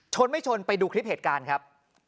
ไม่ชนไปดูคลิปเหตุการณ์ครับ